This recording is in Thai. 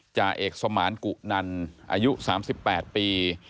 จาเอกสมรรณกุ๊อนั่นอายุ๓๘ปี